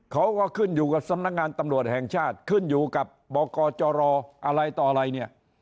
เขาก็ขึ้นอยู่กับสำนักงานตำรวจแห่งชาติขึ้นอยู่กับบกจรอะไรต่ออะไรเนี่ย